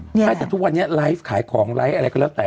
ใช่แต่ทุกวันนี้ไลฟ์ขายของอะไรก็แล้วแต่